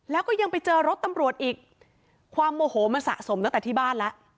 แล้วก็ยังไปเจอรถตำรวจอีกความโมโหมันสะสมตั้งแต่ที่บ้านแล้ว